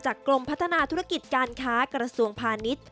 กรมพัฒนาธุรกิจการค้ากระทรวงพาณิชย์